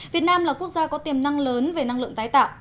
việt nam là quốc gia có tiềm năng lớn về năng lượng tái tạo